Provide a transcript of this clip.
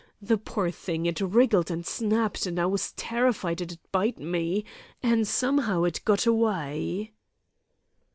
The poor thing, it wriggled and snapped, an' I was terrified it'd bite me, an' some'ow it got away."'